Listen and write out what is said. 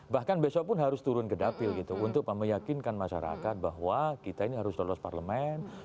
bahkan besok pun harus turun ke dapil gitu untuk meyakinkan masyarakat bahwa kita ini harus lolos parlemen